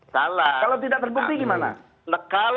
salah kalau tidak terbukti gimana